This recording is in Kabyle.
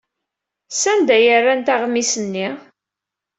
Sanda ay rrant aɣmis-nni?